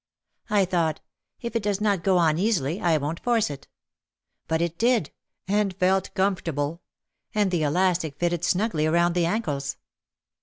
I thought, "If it does not go on easily, I won't force it." But it did, and felt com fortable. And the elastic fitted snugly around the ankles.